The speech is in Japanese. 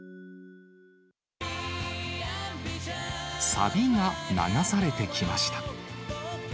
サビが流されてきました。